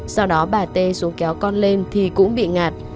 sau đó bà tê xuống kéo con lên thì cũng bị ngạt